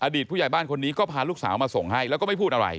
ผู้ใหญ่บ้านคนนี้ก็พาลูกสาวมาส่งให้แล้วก็ไม่พูดอะไร